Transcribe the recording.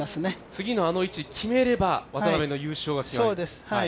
次のあの位置を決めれば、渡邉の優勝が決まる。